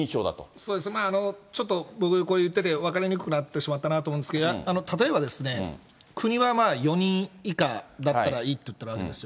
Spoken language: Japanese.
そうですね、ちょっと、僕がこう言ったけど、分かりにくくなってしまったなと思うんですけど、例えばですね、国は４人以下だったらいいって言ってるわけですよ。